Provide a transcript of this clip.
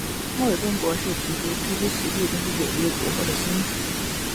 莫尔顿博士提出这些实际都是引力捕获的星子。